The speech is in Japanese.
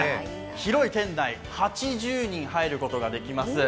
広い店内、８０人入ることができます。